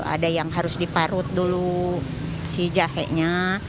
ada yang harus diparut dulu si jahenya